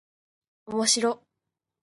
おもしろっ